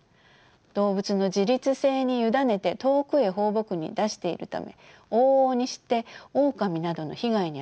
動物の自律性に委ねて遠くへ放牧に出しているため往々にしてオオカミなどの被害に遭います。